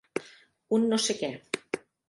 Un no sé què.